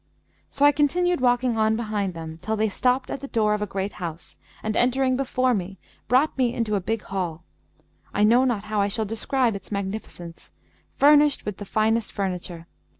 So I continued walking on behind them, till they stopped at the door of a great house; and, entering before me, brought me into a big hall—I know not how I shall describe its magnificence—furnished with the finest furniture.